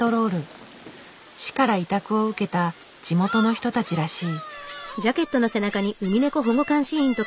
市から委託を受けた地元の人たちらしい。